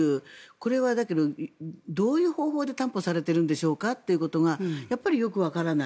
これは、だけどどういう方法で担保されているんでしょうかということがやっぱりよくわからない。